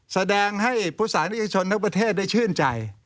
แสดงให้ผู้สาธิตชนนักประเทศได้ชื่นใจ